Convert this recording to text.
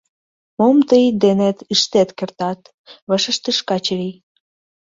— Мом тый денет ыштен кертат? — вашештыш Качырий.